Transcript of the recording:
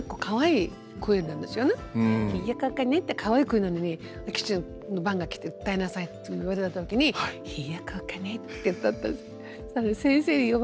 「ひよこがね」ってかわいい声なのに番が来て「歌いなさい」って言われたときに「ひよこがね」って歌ったんです。